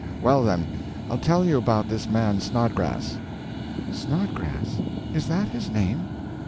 Well, then, I'll tell you about this man Snodgrass." "Snodgrass! Is that his name?"